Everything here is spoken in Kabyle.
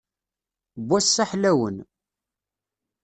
N wass-a ḥlawen.